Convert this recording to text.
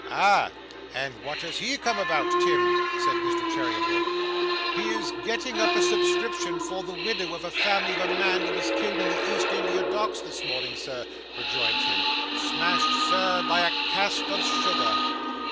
'Ay! And what has he come about, Tim?' said Mr. Cheeryble. 'He is getting up a subscription for the widow and family of a man who was killed in the East India Docks this morning, sir,' rejoined Tim. 'Smashed, sir, by a cask of sugar.